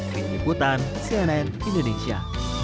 pemikiran sianen indonesia